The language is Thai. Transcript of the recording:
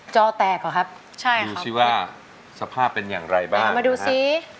จอแตกเหรอครับใช่ค่ะดูสิว่าสภาพเป็นอย่างไรบ้างมาดูซิ